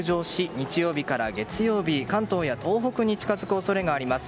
日曜日から月曜日、関東や東北に近づく恐れがあります。